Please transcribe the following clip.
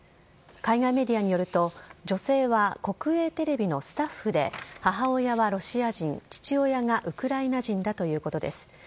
海外メディアによると、女性は国営テレビのスタッフで、母親はロシア人、父親がウクライナ人だということです。